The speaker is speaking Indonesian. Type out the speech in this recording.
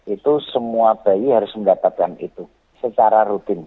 itu semua bayi harus mendapatkan itu secara rutin